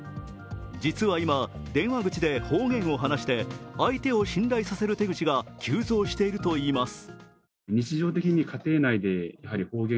実は今、電話口で方言を話して相手を信頼させる手口が急増しているといいます。